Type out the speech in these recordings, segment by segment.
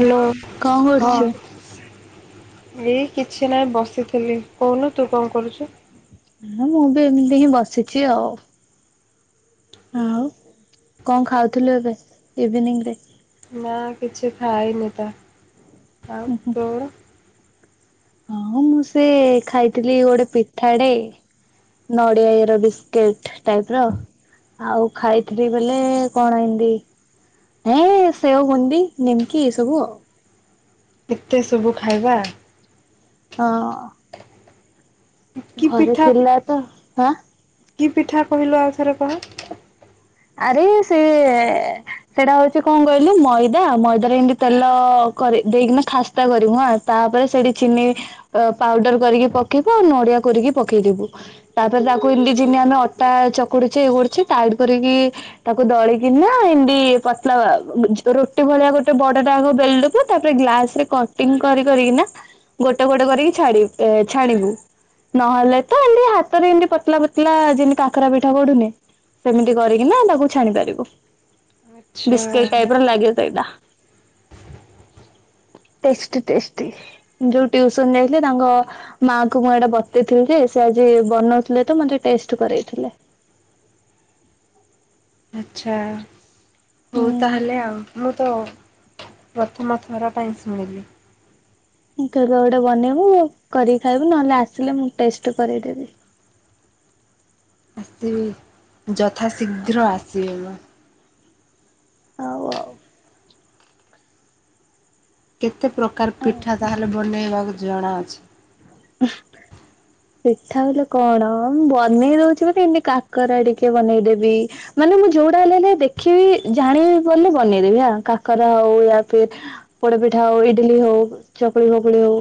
Hello କଣ ହଁ। କରୁଛୁ? ଏଇ କିଛି ନାଇଁ ବସିଥିଲି। କହୁନୁ ତୁ କଣ କରୁଚୁ? ମୁଁ ବି ଏମିତି ହିଁ ବସିଛି ଆଉ। ଆଉ କଣ ଖାଉଥିଲୁ ଏବେ ଇଭିନିଙ୍ଗ୍ ରେ? ନା କିଛି ଖାଇନି ତ। ଉଁ ଆଉ ହୁଁ ତୋର? ହଁ ମୁଁ ସେ ଖାଇଥିଲି ଗୋଟେ ପିଠା ଡେ। ନଡ଼ିଆ ଇଏର ବିସ୍କିଟ୍ ଟାଇପ୍ ର। ଆଉ ଖାଇଥିଲି ବୋଲେ କଣ ଏମ୍ ଡି। ହେ ସେଓ, ବୁନ୍ଦି, ନିମ୍କକି ଏ ସବୁ ଆଉ। ଏତେ ସବୁ ଖାଇବା ହଁ। କି ଘରେ ପିଠା ଥିଲା ତ ଆଁ? କି ପିଠା କହିଲ ଆଉଥରେ କହ? ଆରେ ସେ ସେଟା ହଉଚି କଣ କହିଲୁ ମଇଦା ମଇଦାରେ ଏମିତି ତେଲ କରି ଦେଇକିନା ଖାସ୍ତା କରିବୁ ହା ତାପରେ ସେଠି ଚିନି ଅ ପାଉଡର କରିକି ପକେଇବୁ ଆଉ ନଡିଆ କୋରିକି ପକେଇଦବୁ। ତାପରେ ତାକୁ ଏମିତି ଜିନ୍ତି ଆମେ ଅଟା ଚକୁଡୁଚେ ଇଏ କରୁଚେ ଟାଇଡ୍ କରିକି ତାକୁ ଦଳିକନା ଏମିତି ପତଲା ଝି ରୁଟି ଭଳିଆ ଗୋଟେ ବଡ ଟା ଆଗ ବେଲ୍ ଦବୁ ତାପରେ ଗ୍ଲାସ୍ ରେ କଟିଂଙ୍ଗ କରି କରି କି ନା ଗୋଟେ ଗୋଟେ କରିକି ଛାଡିବୁ ଏ ଛାଣିବୁ। ନହେଲେ ତ ଏମତି ହାତରେ ଏମତି ପତଲା ପତଲା ଯେମିତି କାକରା ପିଠା ଗଢୁନେ କରିକିନା ତାକୁ ଛାଣି ପାରିବୁ ଆଚ୍ଛା ବିସ୍କୁଟ ଟାଇପ୍ ର ଲାଗେ ସେଇଟା। Tasty tasty. ଯୋଉ ଟ୍ୟୁସନ ଯାଇଥିଲେ ତାଙ୍କ ମା କୁ ମୁଁ ଏଇଟା ବତେଇଥିଲି ଯେ ସେ ଆଜି ବନଉଥିଲେ ତ ମତେ ଟେଷ୍ଟ କରେଇଥିଲେ। ଆଚ୍ଛା ହଉ ହୁଁ। ତାହେଲେ ଆଉ ମୁଁ ତ ପ୍ରଥମ ଥର ପାଇଁ ଶୁଣିଲି। କେବେ ଗୋଟେ ବନେଇବୁ ଆଉ କରିକି ଖାଇବୁ ନହେଲେ ଆସିଲେ ମୁଁ ଟେଷ୍ଟ କରେଇ ଦେବି। ଆସିବି ଯଥା ଶୀଘ୍ର ଆସିବି ମୁଁ। ହଉ ଆଉ। କେତେ ପ୍ରକାର ହଁ। ପିଠା ତାହେଲେ ବନେଇବାକୁ ଜଣାଅଛି। [unintelligible] ପିଠା ବଲେ କଣ ମୁ ବନେଇ ଦଉଛି ବୋଲି ଏମିତି କାକରା ଟିକେ ବନେଇଦେବି। ମାନେ ମୁଁ ଯୋଉଟା ହେଲେ ଲେ ଦେଖିବି ଜାଣିବି ବଲେ ବନେଇଦେବି ହା କାକରା ହଉ ଆ ଫିର ପୋଡ ପିଠା ହଉ ଇଡିଲି ହଉ ଚକୁଳି ଫକୁଳି ହଉ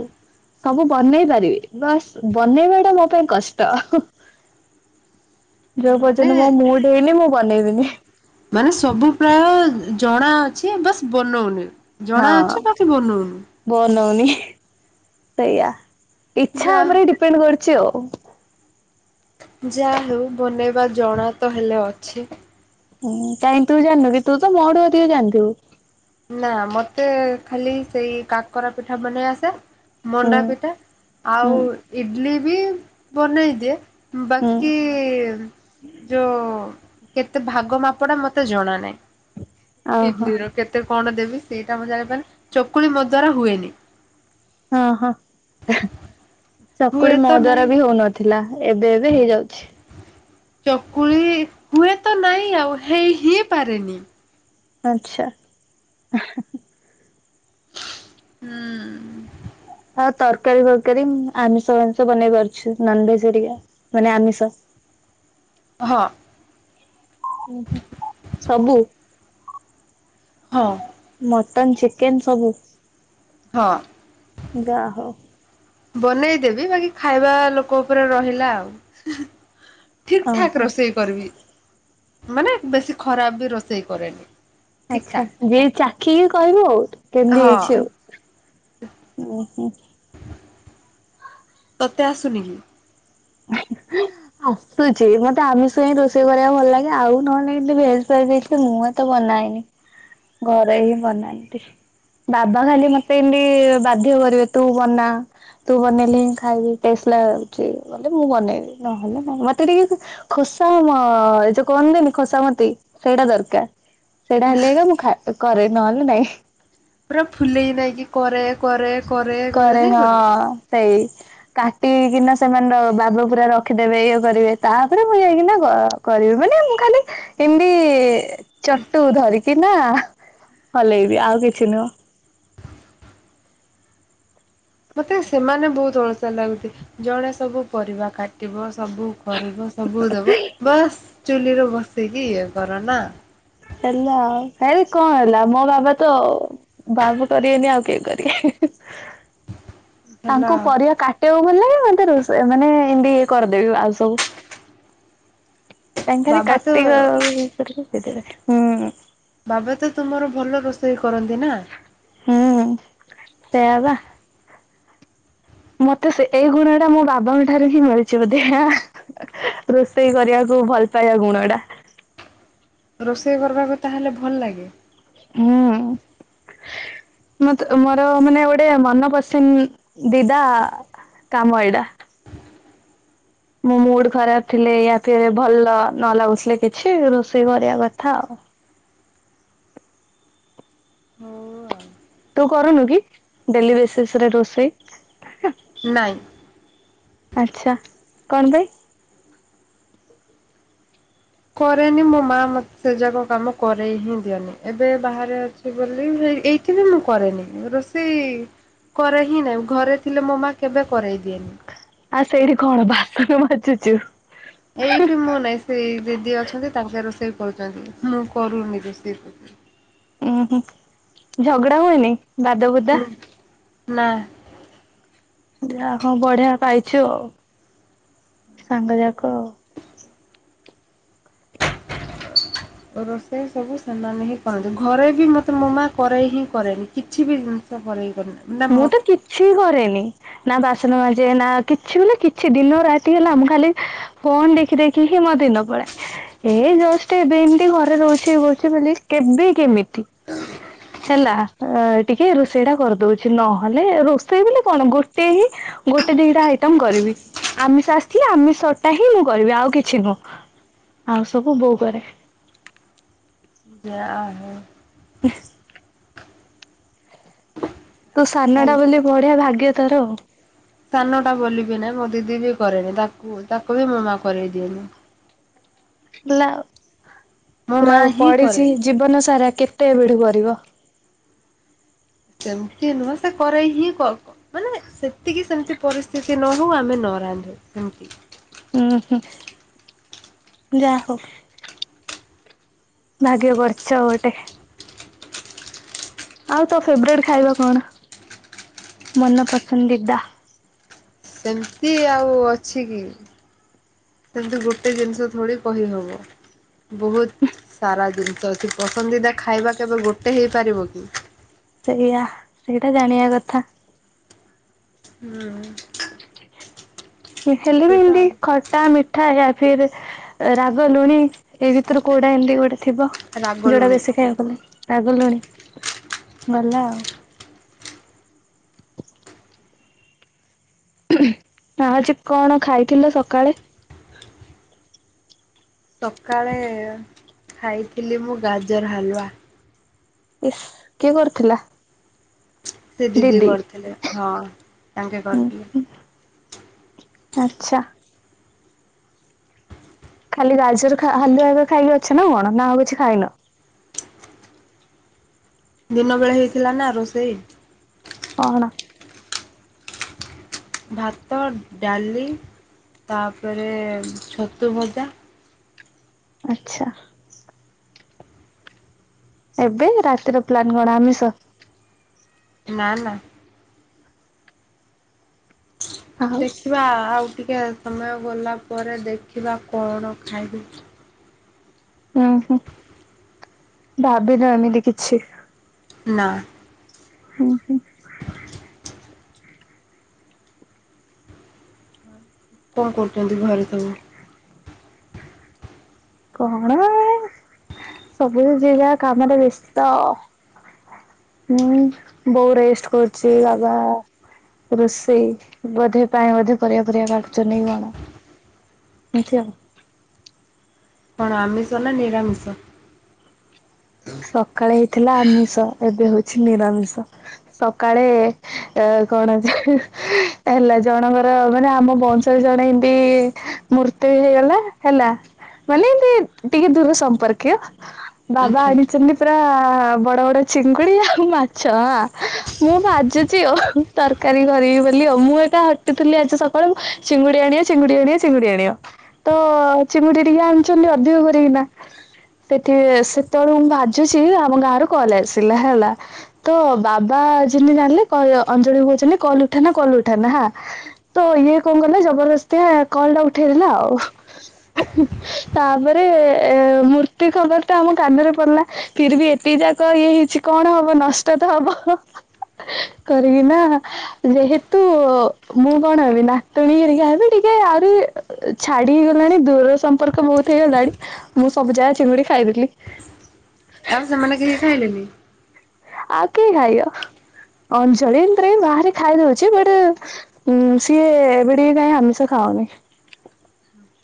ସବୁ ବନେଇ ପା ରି ନସ୍ ବନେଇବା ଟା ମୋ ପାଇଁ କଷ୍ଟ। ଯୋଉ ପର୍ଯ୍ୟନ୍ତ ମୋ ମାନେ ମୁଡ଼ୁ ହେଇନି ମୁଁ ବନେଇବିନି। ମାନେ ସବୁ ପ୍ରାୟ ଜଣା ଅଛି ବାସ୍ ବନଉନି। ଜଣା ହଁ ଅଛି ବାକି ବନଉନୁ। ବନଉନି ସେଇୟା ଇଚ୍ଛା ଯା ଉପରେ ବି ଡିପେଣ୍ଡ କରୁଛି ଆଉ। ଯା ହେଉ ବନେଇବା ଜଣା ତ ହେଲେ ଅଛି। ହୁଁ କାଇଁ ତୁ ଜାଣିନୁ କି ତୁ ତ ମୋଠୁ ଅଧିକ ଜାଣିଥିବୁ? ନା ମତେ ଖାଲି ସେଇ କାକରା ପିଠା ବନେଇ ଆସେ। ହୁଁ ମଣ୍ଡା ପିଠା ହୁଁ ଆଉ ଇଡ଼ିଲି ବି ବନେଇଦିଏ। ହୁଁ ବାକି ଯୋଉ କେତେ ଭାଗ ମାପ ଟା ମତେ ଜଣା ନାଇଁ ଓହୋ। ଇଡ଼ିଲି ର କେ କେତେ କଣ ଦେବି ସେଇଟା ମୁଁ ଜାଣିପାରି ଚକୁଳି ମୋ ଦ୍ଵାରା ହୁଏନି। ହଁ ହଁ ହୁଏ ଚକୁଳି ମୋ ତ ଦ୍ଵାରା ନାହିଁ ବି ହଉନ ଥିଲା ଏବେ ଏବେ ହେଇଯାଉଛି। ଚକୁଳି ହୁଏ ତ ନାଇଁ ଆଉ ହେଇ ହି ପାରେନି। ଆଛା। ହୁଁ। ଆଉ ତରକାରୀ ଫରକାରୀ ଉଁ ଆମିଷ ଫାମିଷ ବନେଇ ପାରୁଛି ନନଭେଜ ହେରିକା ମାନେ ଆମିଷ। ହଁ। ଉଁ ହୁଁ ସବୁ? ହଁ। ମଟନ୍ ଚିକେନ୍ ସବୁ? ହଁ। ଯା ହଉ। ବନେଇଦେବି ବାକି ଖାଇବା ଲୋକ ଉପେରେ ରହିଲା ଆଉ। ଠିକ୍ ଠାକ୍ ଓହୋ ରୋଷେଇ କରିବି ମାନେ ବେଶୀ ଖରାପ ବି ରୋଷେଇ କରେନି। ଠିକ୍ ଆଚ୍ଛା ଠାକ୍। ଯିଏ ଚାଖିକି କହିବ ଆଉ କେନ୍ଦି ହଁ ହେଇଛି ଆଉ। ଓହୋ। ତତେ ଆସୁନି କି। [unintelligible] ଆସୁଛି ମତେ ଆମିଷ ହିଁ ରୋଷେଇ କରିବାକୁ ଭଲ ଲାଗେ ଆଉ ନହେଲେ ନାଇଁ ଏମତି ଭେଜ କରିଦେଇଥିଲେ ମୁଁ ତ ବନାଏନି ଘରେ ହିଁ ବନାନ୍ତି। ବାବା ଖାଲି ମତେ ଇନ୍ଦି ବାଧ୍ୟ କରିବେ ତୁ ବନା। ତୁ ବନେଇଲେ ମୁଁ ଖାଇବି ଟେଷ୍ଟ ଲାଗୁଚି ବୋଲେ ମୁଁ ବନେଇବି ନହେଲେ ମ ମତେ ଟିକେ ଖୋସା ମ ଏ ଯୋଉ କୁହନ୍ତିନି ଖୋସାମତି ସେଇଟା ଦରକାର। ସେଇଟା ହେଲେ ଏକା ମୁଁ ଖା କରେ ନହେଲେ ନାଇଁ। ପୁରା ଫୁଲେଇ ନାଇଁ କି କରେ କରେ କରେ କହିଲେ ଯାଇଁ କରିବି। ସେଇ କାଟି କିନା ସେମାନେ ର ବାବୁ ପୁରା ରଖିଦେବେ ଇଏ କରିବେ ତାପରେ ମୁଁ ଯାଇଁକିନା କ କରିବି ମାନେ ମୁଁ ଖାଲି ଇନ୍ଦି ଚଟୁ ଧରିକିନା ହଲେଇବି ଆଉ କିଛି ନୁହଁ। ମତେ ସେମାନେ ବୋହୁତ ଅଳସୁଆ ଲାଗତି ଜଣେ ସବୁ ପରିବା କା ଟିବ ସବୁ କରିବ ସବୁ ଦବ ବାସ୍ ଚୁଲିରେ ବସେଇକି ଇଏ କର ନା। ହେଲା କାଇଁ କଁ ହେଲା ମୋ ବାବା ତ ବାବୁ କରିବେନି ଆଉ କିଏ କରିବେ ହିଁ ହିଁ। ହେଲା ତାଙ୍କୁ ଆଉ ପରିବା କାଟିଆକୁ ଭଲ ଲାଗେ ମତେ ରୋଷେ ମାନେ ଇନ୍ଦି କରିଦେବି ଆଉ ସବୁ। ତାଙ୍କୁ ଖାଲି ବାବା ତ କାଟିବା ଆଉ ଇଏ କରିକି ଦେଇ ଦେବେ ମୁଁ ବାବା ତ ତୁମର ଭଲ ରୋଷେଇ କରନ୍ତି ନା। ହୁଁ ସେଇଆ ବା। ମତେ ସେ ଏଇ ଗୁଣଟା ମୋ ବାବାଙ୍କ ଠାରୁ ହିଁ ମିଳିଛି ବୋଧେ। ରୋଷେଇ କରିଆକୁ ଭଲପାଇବା ଗୁଣଟା। ରୋଷେଇ କରବାକୁ ତାହେଲେ ଭଲ୍ ଲାଗେ? ହଁ। ମତେ ମୋର ମାନେ ଗୋଟେ ମନପସନ୍ଦଦିଦା କାମ ଏଇଡା। ମୋ ମୁଡ୍ ଖରାପ ଥିଲେ ୟା ଫିର୍ ଭଲ ନ ଲାଗୁଥିଲେ କିଛି ରୋଷେଇ କରିଆ କଥା ଆଉ। ହଉ ଆଉ। ତୁ କରୁନୁ କି ଡେଲି ବେସିସରେ ରୋଷେଇ? ନାଇଁ। ଆଚ୍ଛା କଣ ପାଇଁ? କରେନି ମୋ ମା ମତେ ଯାକ କାମ କରେଇ ହିଁ ଦିଏନି ଏବେ ବାହାରେ ଅଛି। ବୋଲି ହେଇ ଏଇଠି ବି ମୁଁ କରେନି ମୁଁ ରୋଷେଇ କରେ ହିଁ ନାହିଁ ଘରେ ଥିଲେ ମୋ ମା କେବେ କରେଇ ଦିଏନି। ଆଉ ସେଇଠି କଣ ବାସନ ମାଜୁଚୁ? ଏଇଠି ମୁଁ ନାଇଁ ସେଇ ଦିଦି ଅଛନ୍ତି ତାଙ୍କେ ରୋଷେଇ କରୁଚନ୍ତି ମୁଁ କରୁନି ବେଶି ଏତେ। ଉଁ ହୁଁ ଝଗଡା ହୁଏନି ବାଦ ବୁଦା। ନା। ଯା ହଉ ବଢିଆ ପାଇଛୁ ଆଉ ସାଙ୍ଗ ଯାକ ଆଉ। ରୋଷେଇ ସବୁ ସେମାନେ ହିଁ କରନ୍ତି ଘରେ ବି ମୋତେ ମୋ ମା କରାଏ ହିଁ କରେନି କିଛି ବିି ଉଁ [unintelligible] ମୁଁ ତ କିଛି କରେନି। ନା ବାସନ ମାଜେ ନା କିଛି ବୋଲେ କିଛି ଦିନ ରାତି ହେଲା ମୁଁ ଖାଲି ଫୋନ୍ ଦେଖି ଦେଖି ହିଁ ମୋ ଦିନ ପଳାଏ। ଏ ଜଷ୍ଟ ଏବେ ଏମିତି ଘରେ ରହୁଛି ଇଏ କରୁଛି ବୋଲି କେବେ କେମିତି ହେଲା ଅ ଟିକେ ରୋଷେଇ ଟା କରିଦଉ କିଛି ନହେଲେ ରୋଷେଇ ବୋଲି କଣ ଗୋଟେ ହିଁ ଗୋଟେ ଦିଟା ଆଇଟମ କରିବି। ଆମିଷ ଆସିଥିଲେ, ଆମିଷଟା ହିଁ ମୁଁ କରିବି ଆଉ କିଛି ନୁହଁ ଆଉ ସବୁ ବୋଉ କରେ। ଯା ହଉ। ହି। ତୁ ସାନ ଟା ତାହେଲେ ବୋଲି ବଢିଆ ଭାଗ୍ୟ ତୋର ଆଉ। ସାନ ଟା ବୋଲିକି ନାଇଁ ମୋ ଦିଦି ବି କରେନି ତାକୁ ତାକୁ ବି ମୋ ମା କରେଇ ଦିଏନି। ହେଲା ଉ ମୋ ପୁରା ମା ହିଁ କରେ। ପଡିଛି ଜୀବନ ସାରା କେତେ ଏବେଠୁ କରିବ। ସେମିତି ନୁହଁ ସେ କରେଇ ହି କ କ ମାନେ ସେତିକି ସେମିତି ପରିସ୍ଥିତି ନ ହଉ ଆମେ ନ ରାନ୍ଧୁ ସେମିତି ଉୁଁ ହୁଁ ଯାହା ହଉ ଭାଗ୍ୟ କରିଛ ଗୋଟେ। ଆଉ ତୋ ଫେବରଟ ଖାଇବା କଣ ମନ ପସନ୍ଦିଦା। ସେମିତି ଆଉ ଅଛି କି। ସେମିତି ଗୋଟେ ଜିନିଷ ଥୋଡ଼ି କହିହେବ। ବହୁତ ସାରା ଜିନିଷ ଅଛି ପସନ୍ଦିଦା ଖାଇବା କେବେ ଗୋଟେ ହେଇପାରିବ କି। ସେଇଆ ସେଇଟା ଜାଣିବା କଥା। ହୁଁ। ହେଲେ ସେଇଟା ଏମିତି ଆଉ ଖ ଟା ମିଠା ୟା ଫିର୍ ରାଗ ଲୁଣି ଏ ଭିତରୁ କଉଟା ଏମିତି ଗୋଟେ ଥିବ। ରାଗ ଯୋଡା ଲୁଣି ବେଶୀ ଖାଇବାକୁ ଗଲେ ରାଗ ଲୁଣି ଭଲ ଆଉ। ଆଛି କଣ ଖାଇଥିଲ ସକାଳେ? ସକାଳେ ଖାଇଥିଲି ମୁଁ ଗାଜର ହାଲୁଆ। ଇସ୍ କିଏ କରୁଥିଲା। ସେ ଦିଦି କରିଥିଲେ ହଁ ତାଙ୍କେ ହୁଁ କରିଥିଲେ। ଆଚ୍ଛା। ଖାଲି ଗାଜର ଖା ହାଲୁଆ ଖାଇକି ଅଛ ନା କଣ ନା ଆଉ କିଛି ଖାଇନ। ଦିନ ବେଳେ ହେଇଥିଲା ନା ରୋଷେଇ। କଣ ଭାତ ଡାଲି ତାପରେ ଛତୁ ଭଜା। ଆଚ୍ଛା। ଏବେ ରାତିର ପ୍ଲାନ୍ କଣ ଆମିଷ? ନା ନା। ଆଉ ଦେଖିବା ଆଉ ଟିକେ ସମୟ ଗଲା ପରେ ଦେଖିବା କଣ ଖାଇବି। ହୁଁ ହୁଁ ଭାବିନୁ ଏମିତି କିଛି। ନା। ହୁଁ ହୁଁ। କଣ କରୁଛନ୍ତି ଘରେସବୁ କଣଏ ସବୁ ଯିଏ ଯାହା କାମରେ ବ୍ୟସ୍ତ। ହୁଁ ବୋଉ ରେଷ୍ଟ କରୁଛି ବାବା ରୋଷେଇ ବୋଧେ ପାଇଁ ବୋଧେ ପରିବା ଫରିବା କାଟୁଛନ୍ତି କି କଣ? ଏମିତି ଆଉ କଣ ଆମିଷ ନା ନିରାମିଷ। ସକାଳେ ହେଇଥିଲା ଆମିଷ ଏବେ ହଉଛି ନିରାମିଷ। ସକାଳେ ଏ କଣ ଅଛି ହେଲା ଜଣଙ୍କର ମାନେ ଆମ ବ ଜଣେ ଏମତି ମୃତ୍ୟୁ ହେଇଗଲା ହେଲା। ମାନେ ଏ ଟିକେ ଦୂର ସମ୍ପର୍କୀୟ ବାବା ଆଚ୍ଛା ଆଣି ସେମତି ପୁରା ବଡ ବଡ ଚିଙ୍ଗୁଡି ଆଉ ମାଛ ହଁ ମୁଁ ଭାଜୁଛି ଆ ତରକାରୀ କରିବି ବୋଲି ଆଉ ମୁଁ ହେଇକା ହଟୁଥିଲି ଆଜି ସକାଳୁ ଚିଙ୍ଗୁଡ଼ି ଆଣିବ ଚିଙ୍ଗୁଡ଼ି ଆଣିବ ଚିଙ୍ଗୁଡ଼ି ଆଣିବ। ତ ଚିଙ୍ଗୁଡ଼ି ଟିକେ ଆଣିଛନ୍ତି ଅଧିକ କରିକିନା ସେଠି ସେତେବେଳକୁ ମୁ ଭା ଭାଜୁଛି ଆମ ଗାଁରୁ କଲ୍ ଆସିଲା ହେଲା। ତ ବାବା ଯେମିତି ଜାଣିଲେ କ ଅଞ୍ଜଳି କି କହୁଛନ୍ତି କଲ ଉଠାନା କଲ ଉଠାନା ହାଁ। ତ ଇଏ କଣ କଲେ ଜବରଦସ୍ତିଆ କଲ ଟା ଉଠେଇଦେଲେ ଆଉ। ତାପରେ ଏ ମୂର୍ତ୍ତି ଖବର ଟା ଆମ କାନରେ ପଡ଼ିଲା। ଫିର୍ ବି ଏତିକି ଯାକ ଇଏ ହେଇଛି କଣ ହବ ନଷ୍ଟ ତ ହବ। କରିକି ନା ଯେହେତୁ ମୁଁ କଣ ହେବି ନାତୁଣୀ ହେରିକା ହେବି ଟିକେ ଆହୁରି ଛାଡ଼ି ହେଇଗଲାଣି ଦୂର ସମ୍ପର୍କ ବହୁତ୍ ହେଇଗଲାଣି ମୁଁ ସବୁ ଯାକ ଚିଙ୍ଗୁଡ଼ି ଖାଇଦେଲି। ଆଉ ସେମାନେ କେହି ଖାଇଲେନି। ଆଉ କିଏ ଖାଇବ ଅଞ୍ଜଳି ଏମିତି ରେ ବାହାରେ ଖାଇଦଉଛି ବଟ୍ ହୁଁ ସିଏ ଏବେ ଟିକେ କାଇଁ ଆମିଷ ଖାଉନି।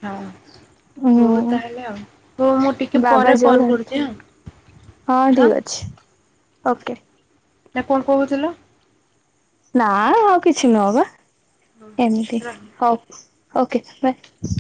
ହଁ ହଉ ହୁଁ ତାହେଲେ ଆଉ ହଉ ମୁଁ ଟିକେ ବାବା ପରେ ଯୋଉ କଲ୍ ଘରେ କରୁଛି ଆଁ। ହଁ ଠିକ୍ ଅଛି ଓକେ। ନା କଣ କହୁଥିଲ? ନାଁ ଆଉ କିଛି ନୁହଁ ବା ହଁ ଏମିତି ରହ। ହଉ। Okay bye.